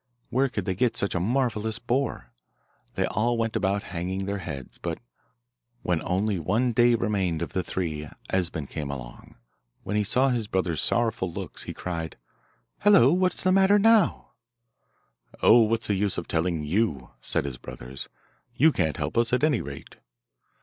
Where could they get such a marvellous boar? They all went about hanging their heads; but when only one day remained of the three Esben came along. When he saw his brothers' sorrowful looks he cried, 'Hallo, what's the matter now?' 'Oh, what's the use of telling you?' said his brothers. 'You can't help us, at any rate.